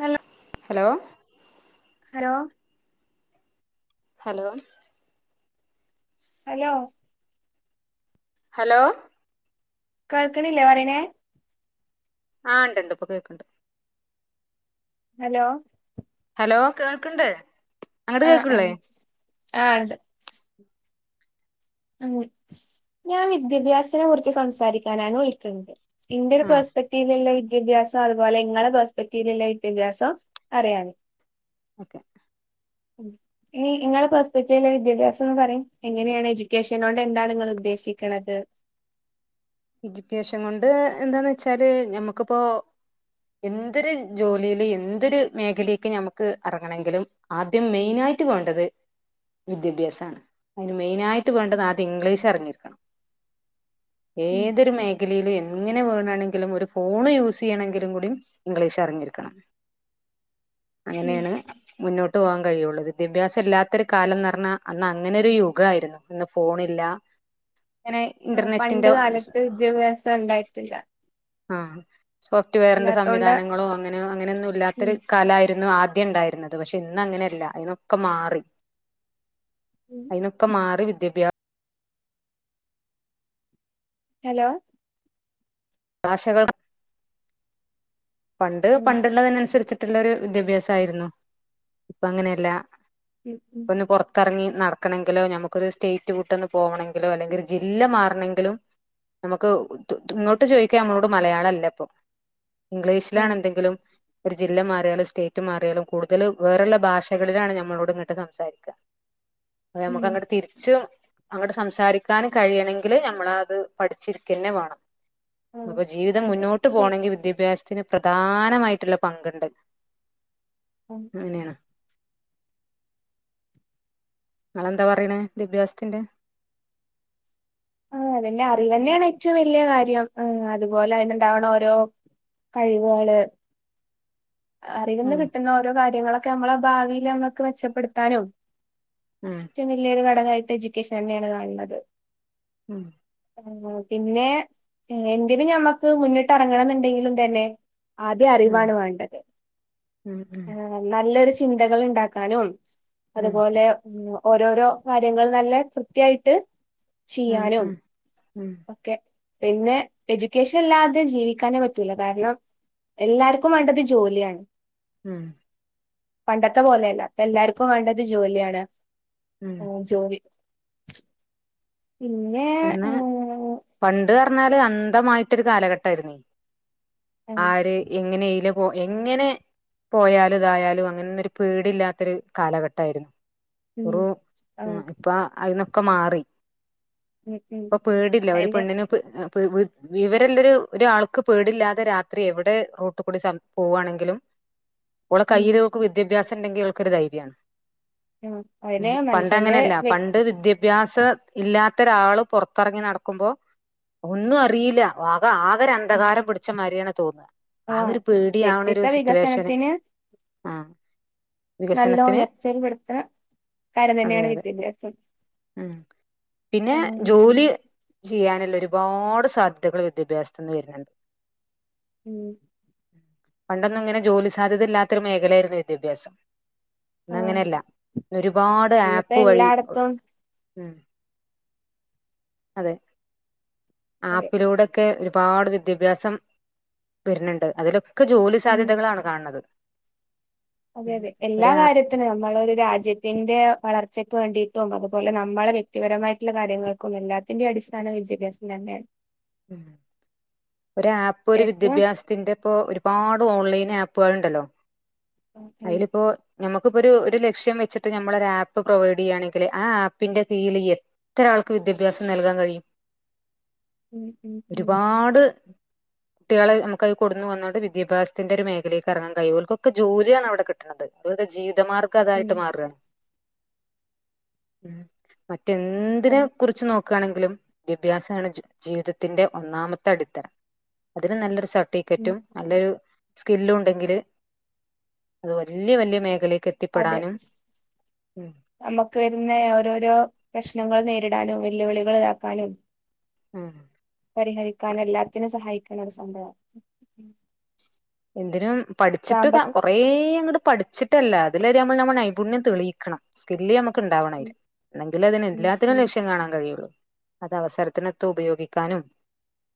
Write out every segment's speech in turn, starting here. Hello hello ലോ hello hello hello കേൾക്കണില്ലേ പറയണേ ആ ഉണ്ടുണ്ട് ഇപ്പം കേക്കണ്ട് ഹലോ ഹലോ കേൾക്ക്ണ്ട് അങ്ങട്ട് കേൾക്ക്ണില്ലേ ആ ഉണ്ട് ഉം ഞാൻ വിദ്യാഭ്യാസനെ കുറിച്ച് സംസാരിക്കാനാണ് വിളിക്ക്ണ്ത് ഇന്റർ ആ പെർസ്പെക്റ്റീവുള്ള വിദ്യാസം അതുപോലെ നിങ്ങളുടെ പെർസ്പെക്റ്റിവിലുള്ള വിദ്യാഭ്യാസം അറിയാല്ലോ ഓക്കെ ഇനി നിങ്ങളെ പെർസ്പെക്റ്റിവിലെ വിദ്യാഭ്യാസം ഒന്ന് പറയൂ എങ്ങനെയാണ് എഡ്യൂ ക്കേഷൻ കൊണ്ട് എന്താണ് നിങ്ങൾ ഉദ്ദേശിക്കണത് എഡ്യൂക്കേഷൻ കൊണ്ട് എന്താന്ന് വെച്ചാല്, ഞമ്മുക്കിപ്പോ എന്തൊരു ജോലിയില് എന്തൊരു മേഖലേക്ക് ഞമ്മക്ക് ഇറങ്ങണെങ്കിലും ആദ്യം മെയിൻ ആയിട്ട് വേണ്ടത് വിദ്യാഭ്യാസമാണ് അതിന് മെയിനായി യിട്ട് വേണ്ടത് ആദ്യം ഇംഗ്ലീഷ് അറിഞ്ഞിരി ഉം ഏതൊരു മേ ഖലയിലും എങ്ങനെ വേണ് ആണെങ്കിലും ഒരു ഫോണ് യൂസ് ചെയ്യണെങ്കിലും കൂടി ഇംഗ്ലീഷ് അറിഞ്ഞിരിക്കണം ഉം അങ്ങനെയാണ് മുന്നോട്ട് പോകാൻ കഴിയുള്ളത് വിദ്യാഭ്യാസം ഇല്ലാത്തൊരു കാലം എന്ന് പറഞ്ഞാ അന്ന് അങ്ങനെ ഒരു യുഗയിരുന്നു അന്ന് ഫോൺ ഇല്ല. ഇങ്ങനെ ഇന്റർനെറ്റിന്റാ ത്ത് വിദ്യാഭ്യാസം ഉണ്ടായിട്ടില്ല ആഹ് സോഫ്റ്റ്‌വെയറിന്റെ ഇല്ലാത്തോണ്ട് സംവിധാനങ്ങളോ അങ്ങനെ അങ്ങനെയൊന്നും ഉം ഇല്ലാത്തൊരു കാലായിരുന്നു ആ ണ്ടായിരുന്നത്, പക്ഷെ ഇന്ന് അങ്ങനെയല്ല അതൊക്കെ മാറി. അയ്നൊക്കെ മാറി വിദ്യഭ്യാ ഹലോ ആശകളാ പണ്ട് ഉം പണ്ടുള്ളതിനനുസരിച്ചിട്ട് മറ്റുള്ളരു വിദ്യാഭ്യാസയിരുന്നു, ഇപ്പൊ അങ്ങനെയല്ല ഉം ഒന്ന് പൊറത്തിറങ്ങി നടക്കണമെങ്കിലോ, നമുക്കരു സ്റ്റേറ്റ് വിട്ടൊന്ന് പോകണമെങ്കിലോ അല്ലെങ്കിൽ ഒരു ജില്ല മാറണമെങ്കിലും നമുക്ക് ഇങ്ങോട്ട് ചോദിക്കാ നമ്മളോട് മലയാളം അല്ല, ഇപ്പൊ ഉം ഇംഗ്ലീഷിലാണ് എന്തെങ്കിലും ജില്ല മാറിയാലും, സ്റ്റേറ്റ് മാറിയാലും കൂടുതൽ വേറൊള്ള ഭാഷകളിലാണ് ഞമ്മളോട് ഇങ്ങിട്ട് സംസാരിക്കുക. ഉം നമ്മുക്ക് അങ്ങോട്ട് തിരിച്ചും അങ്ങോട്ട് സംസാരിക്കാനും കഴിയണെങ്കില് നമ്മളത് പഠിച്ചിരിക്കന്നെ വേണം. ഉം അപ്പൊ ജീവിതം അതെ മുന്നോട്ട് ശരി പോകണമെങ്കിൽ വിദ്യാഭ്യാസം ഇതിന് പ്രധാനമായിട്ടുള്ള പങ്കുണ്ട് ഉം അതെന്നെണ് നിങ്ങളെന്താ പറയണേദ്യാഭ്യാസത്തിന്റെ ആ അതന്നെ അറിവ് തന്നെയാണ് ഏറ്റവും വല്യ കാര്യം ആ അതുപോലെ അത്ണ്ടാവണം ഓരോ കഴിവുകള് അറിവ്ന്ന് ഉം കിട്ടുന്ന ഓരോ കാര്യങ്ങളൊ നമ്മളെ ഭാവിൽ നമ്മൊക്കെ മെച്ചപ്പെടുത്താനും ഉം റ്റം വലിയരു ഘടകായി എടുക്കേഷൻ തന്നെയാണ് കാണത് ഉം ആ പിന്നെ എന്തിന് ഞമ്മക്ക് മുന്നിട്ട് ഇറങ്ങണം എന്നുണ്ടെങ്കിലും തന്നെ ആദ്യ ഉം അറിവാണ് വേണ്ടത് ഉം ഉം ആ നല്ലൊരു ചിന്തകൾ ഉണ്ടാക്കാനും ഉം അതുപോലെ ഉ ഓരോരോ കാര്യങ്ങൾ നല്ല കൃത്യായിട്ട് ഉം ചെയ്യാനോ ഉം ഉം ഒക്കെ പിന്നെ എഡ്യൂക്കേഷൻ അല്ലാതെ ജീവിക്കാനേ പറ്റൂല കാരണം എല്ലാർക്കും വേണ്ടത് ജോലിയാണ് ഉം പണ്ടത്തെ പോലെയല്ല എല്ലാർക്കും വേണ്ടത് ജോലിയാണ് ഉം ഓ ജോലി പിന്നെ ഒന്ന് ഉം പണ്ട് പറഞ്ഞാല് അന്ധമായിട്ടൊരു കാലഘട്ടമായിരുന്നു ആര് എങ്ങനേലും പോ എങ്ങനെ പോയാലും ഇതായാലും അങ്ങനന്നൊരു പേടിയില്ലത്തൊരു കാലഘട്ടയിരുന്നു [unintelligible] ആ മ് ഇപ്പ അതിന്നൊ [unintelligible] മാറി. ഉം ഉം അപ്പൊ പേടില്ല ഒരു അയിന്റെ ഉം അതിന്റെ പെണ്ണിനെ പേ പേ വിവരള്ളൊരു ഒരാൾക്ക് പേടില്ലാതെ രാത്രി എവിടെ റൂട്ട് കൂടി സം പോവാണെങ്കിലും ഉം, ഒളക്കയ്യിൽ ഓക് വിദ്യാഭ്യാ ഉണ്ടെങ്കിൽഇവൾക്കൊരുധൈര്യണ് ആ അതിന് മനുഷ്യന്റെ പണ്ടങ്ങനല്ല വ്യ പണ്ട് വിദ്യാഭ്യാസ ഇല്ലാ ത്തോരാള് പൊറത്തിറങ്ങി നടക്കുമ്പോ ഒന്നും അറിയില്ല ആകെരു അന്ധകാരം പിടിച്ച മാരിയാണ് തോന്നുക ആ ആഗോരു പേടിയാവണ ഒരു വ്യക്തിത്വ സിറ്റുവേഷന് ആ നല്ലോ ഉയർച്ചൽപ്പെടുത്ത കാര്യം അതെ തന്നെയാണ് അതെ വിദ്യ ഉം [unintelligible] പിന്നെ ജോലി ചെയ്യാനുള്ള ഒരുപാട് സാധ്യതകള് വിദ്യാഭ്യാസത്തിന്ന് വരുന്നുണ്ട് മ്മ് പണ്ടൊന്നും ഇങ്ങനെ ജോലി സാധ്യത ഇല്ലാത്തൊരു മേഖലയായിരുന്നു വിദ്യാഭ്യാസം ആ ഇന്നങ്ങനെയല്ല ന്ന് ഒരുപാട് ഇന്നിപ്പോ ആപ്പ് വഴി എല്ലായിടത്തും ഉം അതെ അതെ ആപ്പിലൂടൊക്കെ ഒരുപാട് വെ ദ്യാഭ്യാസം വരുണോണ്ട് അതിലൊ ക്ക് ജോലി സാധ്യതകളാണ് കാണത് അതെയതെ എല്ലാ കാര്യത്തിനും നമ്മള് ഒരു രാജ്യത്തിന്റെ വളർച്ച- ക്കുവേണ്ടിയിട്ടും അതുപോലെ നമ്മളെ വ്യക്തിപരമായിട്ടുള്ള കാര്യങ്ങൾക്കും എല്ലാത്തിന്റെയും അടിസ്ഥാനം വിദ്യാഭ്യാസം തന്നെയാണ് ഒരാപ്പ് ഒരു ഏറ്റവും വിദ്യാഭ്യാസത്തിന്റെ ഇപ്പോ ഒരുപാട് ഓൺലൈൻ ആപ്പുകളുണ്ടല്ലോ ഉം അയിലിപ്പോ ഞമ്മക് ഇപ്പം ഒരു ഒരു ലക്ഷ്യം വച്ചിട്ട് നമ്മളൊരു ആപ്പ് പ്രൊവൈഡ് ചെയ്യുകയാണെങ്കില് ആ ആപ്പിന്റെ കീഴില് എത്രയാൾക്ക് വിദ്യാഭ്യാസം നൽകാൻ കഴിയും ഉം ഉം ഉം കുട്ടികള് നമുക്കത് കൊടുന്നുവന്നക്കൊണ്ട് വിദ്യാഭ്യാസത്തിന്റെ ഒരു മേഖലേക്ക് ഇറങ്ങാൻ കയ്യിയു ഓർക്കൊക്കെ ജോലി [unintelligible] അവിടെ കിട്ടണത് വെറുതെ ജീവി- വിതമാർഗം ഉം അതായിട്ട് മാറുക ഉം [unintelligible] റ്റെന്തിനെ അതെ കുറിച്ച് നോക്കാണെങ്കിലും വിദ്യാഭ്യാസാണ് ജീവിതത്തിന്റെ ഒന്നാമത്തെ അടിത്തറ, അതിന് നല്ലൊരു സർ ഉം ർട്ടിക്കറ്റും നല്ലൊരു സ്‌കില്ലും ഉണ്ടെങ്കില് അത് വലിയ വലിയ മേഖലേ അതെ നമുക്ക് വരുന്നേ ഓരോരോ പ്രശ്നങ്ങള് നേരിടാനും വെല്ലുവിളികള് ഇതാക്കാനും ആഹ് പരിഹരിക്കാനും എല്ലാത്തിനും സഹായിക്കു അങ്ങനൊരു സംഭവാ എന്തിനും പഠിച്ചിട്ട് കാ കൊറേ അങ്ങട് പഠി വച്ചിട്ടല്ല അതില് [unintelligible] നമ്മ നൈപുണ്യം തെളിയിക്കണം സ്കില്ല് നമുക് ക്കുണ്ടാവണം ഉം എന്നെങ്കിലെ അതിന് ഉം എല്ലാത്തിനും ഉം ലക്ഷ്യം കാണാൻ കഴിയുള്ളൂ അത് അവസരത്തിനൊത്ത് ഉപയോഗിക്കാനും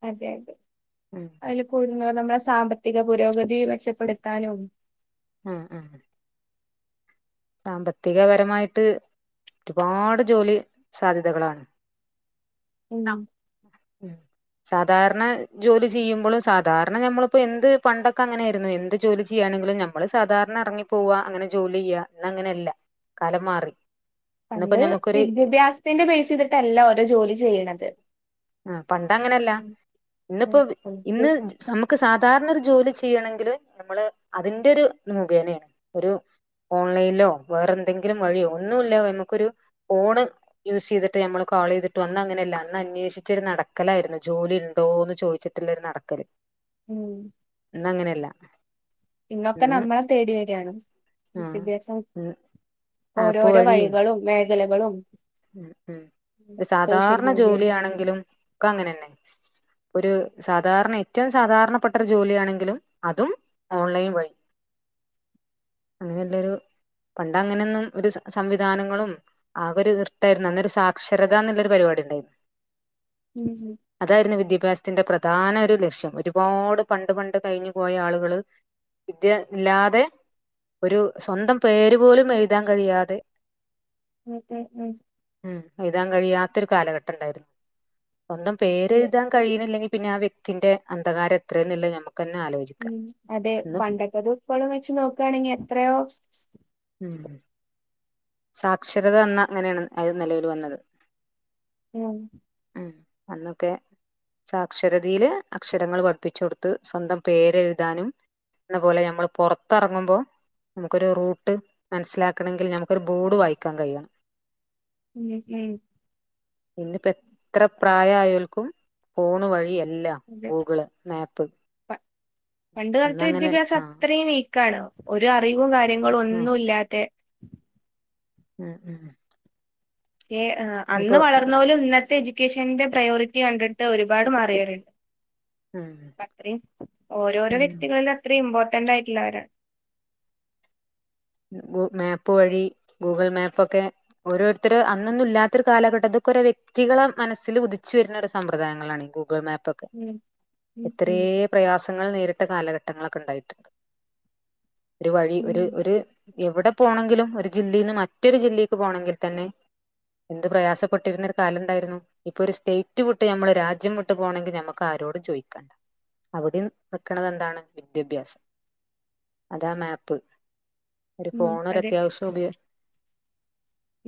അതെ അതെ ഉം അതിൽ കൂടുന്നത് നമ്മുടെ സാമ്പത്തിക പുരോഗ തി മെച്ചപ്പെടുത്താനും ആ ആ സാമ്പത്തികപരമായിട്ട് ഒരുപാട് ജോലി സാധ്യതകളാണ് [unintelligible] സാധാരണ ജോലി ചെയ്യുമ്പളും സാധാരണ ഞമ്മളിപ്പോ എന്ത് പണ്ടൊക്കെ അങ്ങനെ ആയിര്ന്നു എന്ത് ജോലി ചെയ്യ്ണ്ണങ്കിലും ഞമ്മൾ സാധാരണ എറങ്ങി പോവാ അങ്ങനെ ജോലിയ്യാ ഇന്ന് അങ്ങനെയ്യെല്ല കാലം മാറി ഇന്നിപ്പോ പണ്ട് ഞമ്മക്കൊരു വിദ്യാഭ്യാസത്തിന്റെ ബേസ്യ്തിട്ട് അല്ല ഓരോ ജോലി ചെയ്യ്ണത് അ പണ്ട് അങ്ങനെഅല്ല. ഇന്ന്പ്പോ ഇന്ന് നമുക്ക് സാ ധാരണ ഒരു ജോലി ചെയ്യണെങ്കില് നമ്മൾ അതിന്റെ ഒരു മുഖേനയാണ്. ഒരു ഓൺലൈൻ ലോ വേറെ എന്തെങ്കിലും വഴിയോ ഒന്നുല്ലാ നമ്മുക്കൊരു ഫോൺ യൂസെയ്തിട്ട് നമ്മൾ കാളെയ് തിട്ടോ അന്ന് അങ്ങനെല്ല അന്ന് അന്വേഷി [unintelligible] നടക്കലായിര്ന്ന് ജോലി ണ്ടോന്ന് ചോദിച്ചിട്ടുള്ളൊരു നടക്കല്. ഉം. ഇന്ന അങ്ങനെല്ല. ഇന്നൊക്കെ നമ്മളെ തേടി വര ആണ്. ആഹ് വിദ്യാഭ്യാസം ഉം ഓരോരോ വഴികളും [unintelligible] എലകളും മ് മ് ഒര് സാധാരണ മീഡിയ ജോലിയാണെങ്കിലും ക്കെ അങ്ങനെന്നെ ഒര് സാധാരണെ ഏറ്റവും സാധാരണപ്പെട്ടരു ജോലിയാണെങ്കിലും അതും ഓൺലൈൻ വഴി. അങ്ങനെള്ളെരു പണ്ട് അങ്ങനെന്നും ഒരു സ സംവിധാനങ്ങളും ആകെ ഒരു ഇർ ട്ടായിര്ന്നു. അന്നൊരു സാക്ഷരത എന്ന്ള്ളൊരു പരിപാടി ഇണ്ടായിന്ന്. ഉം അതായിര്ന്നു വിദ്യാഭ്യാസ ത്തിന്റെ പ്രധാന ഒരു ലക്ഷ്യം ഒരുപാട് പണ്ട് പണ്ട് കഴിഞ്ഞു പോയ ആളുകള് വിദ്യ ഇല്ലാതെ ഒരു സ്വന്തം പേര് പോലും എഴുതാൻ കഴിയാതെ ഉം ഉം ഉം. മ് എഴുതാൻ കഴിയാത്തൊരു കാലഘട്ടം ണ്ടായിര്ന്നു. സ്വന്തം ഒരു പേരെഴുതാൻ കയ്ണി ല്ലെങ്കിൽ പി പിന്നെ ആ വ്യക്തിന്റെ അന്ധകാരം എത്രെന്ന്ള്ളെ നമു മ് അതെ പണ്ടത്തതും ഇപ്പളും വെച്ച് നോക്കാണെങ്കി എത്രയോ [unintelligible] സാക്ഷരത അന്ന് അങ്ങനെയാണ് അതിൽ നിലവിൽ വന്നത് മ് ഉം അന്നൊക്കെ സാക്ഷരതേല് അക്ഷരങ്ങൾ പഠിപ്പിച്ച് കൊട്ത്ത് സ്വന്തം പേരെഴ്‌താനും ന്നപോലെ നമ്മൾ പോറത്ത്എർങ്ങുമ്പം നമുക്കൊരു റൂട്ട് മന്സ്സിലാക്കണങ്കിൽ നമു ക്കൊരു ബോഡ് വായിക്കാൻ കഴിയണം മ് മ് ഇന്ന്പ്പെ എ ത്ര പ്രായ ആയോൽക്കും ഫോൺ വഴിയ [unintelligible] അതെ ഗൂഗിള്മാപ്പ് പ അന്ന് അങ്ങനെ ആഹ് കക്കാണ് ഒര് അറിവും കർ [unintelligible] ഒന്നും ഇല്ലാത്തെ ഉം ഉം ഏഹ് അന്ന് ഇപ്പോ വളർന്നോലും ഇന്നത്തെ എ ക്കേഷന്റെ പ്രയോറിറ്റി കണ്ടിട്ട് ഒരുപാട് മാറിയവരുണ്ട് ഉം പ്പ അത്രം ഓരോരോ ഉം വ്യക്തികളില് അത്രം ഇം ത്ത്ണ്ടായിട്ടില്ല അവരാ മാപ്പ് വഴി ഗൂഗിൾ മാപ്പൊക്കെ ഓരോരുത്തർ അന്നൊന്നും ഇല്ലാത്തൊരു കാലഘട്ടത്തി കുറെ വ്യക്തികളെ മനസ്സിൽ ഉദിച്ചു വരുന്ന സമ്പ്രദായങ്ങളാണ് ഈ ഗൂഗിൾ മാപ്പ് ഉം ഉം എത്രേ ഉം പ്രയാസങ്ങൾ നേരി ത്തെ കാലഘട്ടങ്ങളൊക്കെ ഉണ്ടായിട്ടുണ്ട് ഒരു വഴി ഒരു ഉം ഒരു എവിടെ പോണെങ്കിലും ഒരു ജില്ലയിൽ നിന്ന് മറ്റൊരു ജില്ലേക്ക് പോണങ്കി തന്നെ എന്ത് പ്രയാസപ്പെട്ടിരുന്ന ഒരു കാലണ്ടായിരുന്നു ഇപ്പൊ ഒരു സ്റ്റേറ്റ് വിട്ട് നമ്മള് രാജ്യം വിട്ട് പോണെങ്കി ഞമക്ക് ആരോടും ചോയിക്കണ്ട അവിടെ നിക്കണതെന്താണ് വിദ്യാഭ്യാസം അതാ മാപ്പ് ഒരു ഉം ഫോണ് ഒരു അതെ അത്യാവശ്യം ഉപയ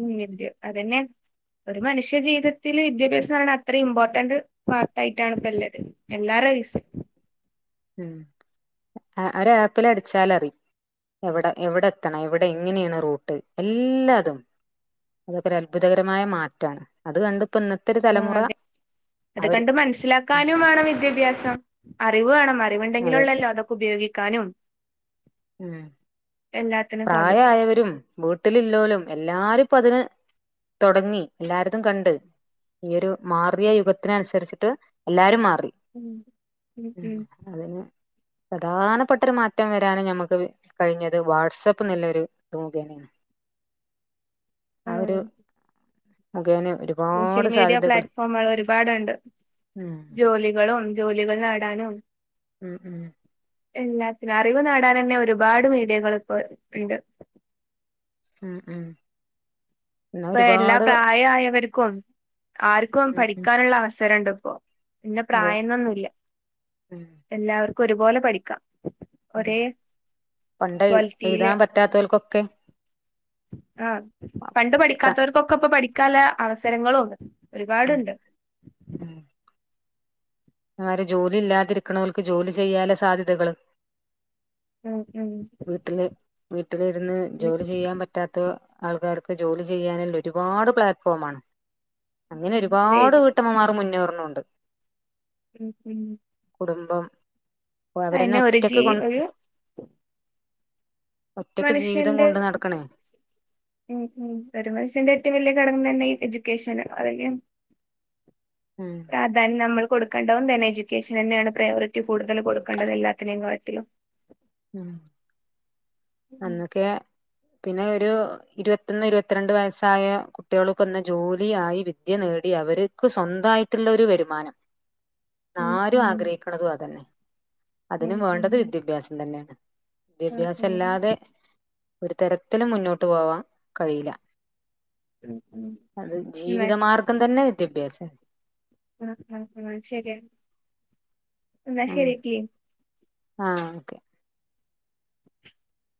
ഉം വിദ്യ അതന്നെ ഒരു മനുഷ്യ ജീവിതത്തില് വിദ്യാഭ്യാസം എന്ന് പറയണ അത്ര ഇമ്പോർട്ടന്റ് പാർട്ടായിട്ടാണ് ഇപ്പല്ലത് എല്ലാരും സ ഉം ആഹ് അവരാപ്പിലടിച്ചാലറിയും എവിടെ എവിടെ എത്തണം എവിടെ എങ്ങനെയാണ് റൂട്ട് എല്ലാതും അതൊക്കെ ഒരു അത്ഭുതകരമായ മാറ്റാണ് അത് കണ്ട് അതെ അത് അവര് കണ്ട് ഉം മനസ്സിലാക്കാനും വേണം വിദ്യാഭ്യാസം അറിവ് വേണം അതെ അറിവുണ്ടെങ്കിലൊള്ളല്ലോ അതൊ ഉപയോഗ കാനും ഉം പ്രായ സാധിക്കും ആയവരും വീട്ടിലില്ലോലും എല്ലാരും അപ്പഅതിന് തുടങ്ങി, എല്ലാര്തും കണ്ട് ഈ ഒരു മാറിയ യുഗത്തിന അനുസരിച്ചിട്ട് എല്ലാരും മാറും മ് ഉം ഹ്മ്മ് പ്രധാനപ്പെട്ടൊരു മാറ്റം വരാന് ഞമുക്ക് കഴിഞ്ഞത് വാട്സആപ്പ്നില്ലൊരു രോഗിയാണ്. ആ [unintelligible] സോഷ്യൽ മീഡിയ സാധ്യതകൾ പ്ലാറ്റ്ഫോമുകൾ ഒരുപാടുണ്ട്. ഉം ജോലികളും ഉണ്ട്. ജോലികൾ നേടാനും മ് ഹ്മ്മ് എല്ലാത്തിനും, അറിവ് നേടാനന്നെ ഒരുപാട് മീഡിയകൾ ഇപ്പൊ ഇണ്ട്. മ് മ് ഇപ്പ എല്ലാ പ്രായായവർക്കും ആർക്കും ഉം ഉം പഠിക്കാനുള്ള അവസരണ്ട്. ഇപ്പോ ഇന്ന അതെ പ്രായന്നൊന്നുംല്ല, എല്ലാവർ ഒരുപോലെ പഠിക്കാം. കു ഹ്മ്മ്, പണ്ട് എഴുതാൻ പറ്റാത്തോൽക്കൊക്കെ [inaudible] ആഹ് പണ്ട് പഠി ത്ത ക്കതോൽക്കൊക്കെ പ്പം പഠിക്കാലെ അവസരങ്ങളും ഒരുപാടുണ്ട്. ആര് ജോലി ഇല്ലാതിരിക്ക്ണോൽക്ക് ജോലി ചെയ്യാല്ലെ സാധ്യതകളും ഉം ഉം [inaudible] വീട്ടില് വീട്ടിലിരുന്ന് ജോലി ചെയ്യാൻ പറ്റാത്ത ആൾക്കാർക്ക് ജോലി ചെയ്യാനുള്ള ഒരുപാട് പ്ലാറ്റ്ഫോമാണ്. അങ്ങനെ അതെ ഒരുപാട് വീട്ടമ്മമാർ മുന്നേറുന്നു ഉണ്ട്. ഉം ഹ്മ്മ് കുടുംബം അവരന്നെ അയിന് ഒരു ഒറ്റക്ക് ഷീൽ കൊ ഒരു ഒറ്റക്ക് ജീവിതം മനുഷ്യന്റെ, കൊണ്ട് നടക്കണേ ഉം മ് ഒരു മനുഷ്യന്റെ ഏറ്റവും വലിയ കടമന്നെ തന്നെ ഈ എജു ക്യാഷനും [unintelligible] ഉം അതാഞ്ഞമ്മള് കൊടുക്കെണ്ടം തന്നെ എഡ്യൂക്കേഷൻ തന്നെയാണ് പ്രയോറിറ്റി കൂടുതൽ കൊടുക്കേണ്ടത് എല്ലാത്തിനേംകാട്ടിലും. ഉഹ്മ്മ് അന്നൊക്കെ പിന്നെ ഒരു ഇരുപത്തൊന്ന് ഇരുപത്തിരണ്ട് വയസ്സായ കുട്ടികൾക്ക് ഒരു ജോലിയായി വിദ്യ നേടി അവര്ക്ക് സ്വന്തം ആയിട്ടൊരു വരുമാനം ഉം ല്ലാരും ഉം ആഗ്രഹിക്കണതും അതുതന്നെ ഉം അതിന്ന് ഉം വേണ്ടത് വിദ്യാഭ്യാസം വേണ്ട ഉം ഉം വിദ്യാഭ്യാസല്ലാതെ ഒരു തരത്തിലും മുന്നോട്ട് പോവാൻ കഴിയില്ല ഉം ഉം ഉം അത് എന്നാ ജീവിതമാർഗം തന്നെ വിദ്യാഭ്യാസമാണ് ഉംഉം എന്നാ ശരിയടി ഉ ആഹ ഓക്കെ [inaudible]